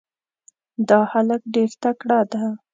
دا هلک ډېر تکړه ده.